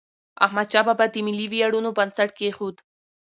احمدشاه بابا د ملي ویاړونو بنسټ کېښود.